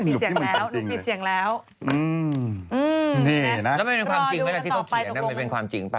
นี่นะน้ำไม่เป็นความจริงไหมนะที่ต้องเขียนน้ำไม่เป็นความจริงป่ะ